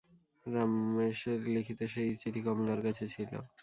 রমেশের লিখিত সেই চিঠি কমলার কাছে ছিল।